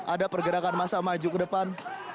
ada pergerakan masa maju ke depan